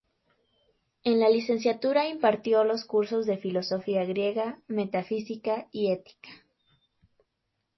En la licenciatura impartió los cursos de Filosofía Griega, Metafísica y Ética.